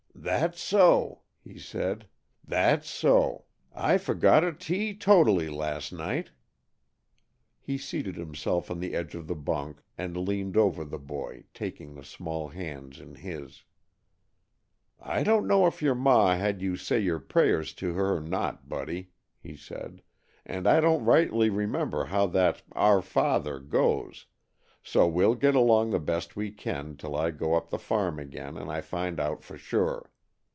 "That's so!" he said. "That's so! I forgot it teetotally last night." He seated himself on the edge of the bunk and leaned over the boy, taking the small hands in his. "I don't know if your ma had you say your prayers to her or not, Buddy," he said, "and I don't rightly remember how that 'Our Father' goes, so we'll get along the best we can 'til I go up to the farm again and I find out for sure.